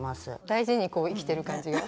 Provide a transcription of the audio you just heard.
大事に生きてる感じが。